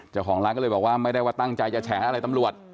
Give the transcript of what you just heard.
เจ้าของร้านก็เลยบอกว่าไม่ได้ว่าตั้งใจจะแฉอะไรตำรวจ